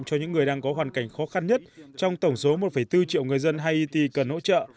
cho những người đang có hoàn cảnh khó khăn nhất trong tổng số một bốn triệu người dân haiti cần hỗ trợ